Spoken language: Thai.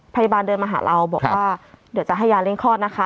พยาบาลเดินมาหาเราบอกว่าเดี๋ยวจะให้ยาเร่งคลอดนะคะ